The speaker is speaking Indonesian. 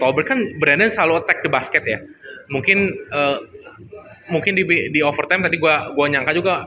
overkan brand selalu attack basket ya mungkin mungkin di di over time tadi gua gua nyangka juga